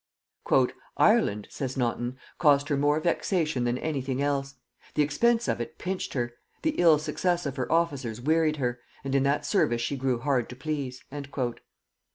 '" "Ireland," says Naunton, "cost her more vexation than any thing else; the expense of it pinched her, the ill success of her officers wearied her, and in that service she grew hard to please."